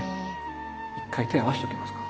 １回手を合わせておきますか？